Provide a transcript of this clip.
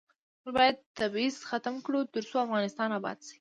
موږ باید تبعیض ختم کړو ، ترڅو افغانستان اباد شي.